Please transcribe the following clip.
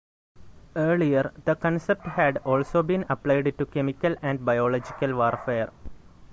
Earlier, the concept had also been applied to chemical and biological warfare.